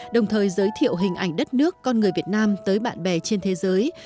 đồng thời giới thiệu hình ảnh đất nước con người việt nam tới bạn bè trên thế giới